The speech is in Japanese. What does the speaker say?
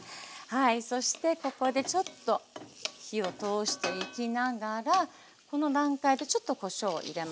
そしてここでちょっと火を通していきながらこの段階でちょっとこしょうを入れますね。